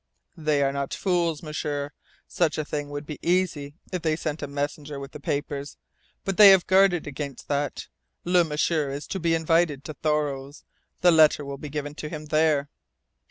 "They are not fools, M'sieur. Such a thing would be easy if they sent a messenger with the papers. But they have guarded against that. Le M'sieur is to be invited to Thoreau's. The letter will be given to him there."